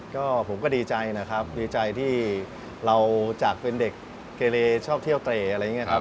ก็ผมก็ดีใจนะครับดีใจที่เราจากเป็นเด็กเกเลชอบเที่ยวเตร่อะไรอย่างนี้ครับ